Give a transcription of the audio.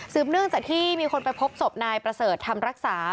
เนื่องจากที่มีคนไปพบศพนายประเสริฐธรรมรักษา